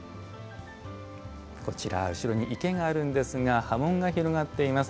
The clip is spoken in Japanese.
こちら後ろに池があるんですが波紋が広がっています。